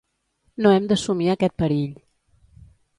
No hem d'assumir aquest perill.